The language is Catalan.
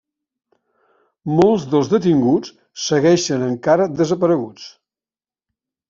Molts dels detinguts segueixen encara desapareguts.